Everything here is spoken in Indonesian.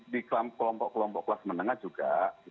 di kelompok kelompok kelas menengah juga